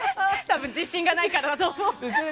多分自信がないからだと思う。